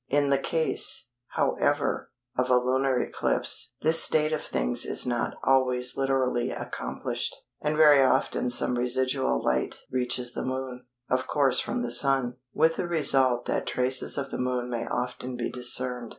In the case, however, of a lunar eclipse this state of things is not always literally accomplished, and very often some residual light reaches the Moon (of course from the Sun) with the result that traces of the Moon may often be discerned.